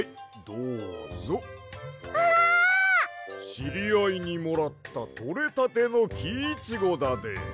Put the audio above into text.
しりあいにもらったとれたてのキイチゴだで。